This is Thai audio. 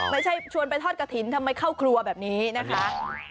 ชวนไปทอดกระถิ่นทำไมเข้าครัวแบบนี้นะคะ